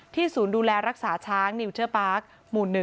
ศูนย์ดูแลรักษาช้างนิวเจอร์ปาร์คหมู่๑